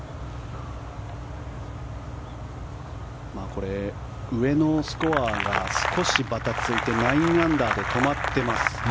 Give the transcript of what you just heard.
これ、上のスコアが少しばたついて９アンダーで止まっています。